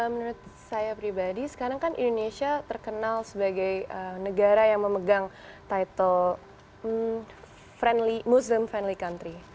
menurut saya pribadi sekarang kan indonesia terkenal sebagai negara yang memegang title muslim friendly country